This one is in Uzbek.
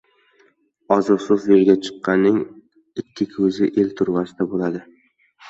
• Oziqsiz yo‘lga chiqqanning ikki ko‘zi el to‘rvasida bo‘ladi.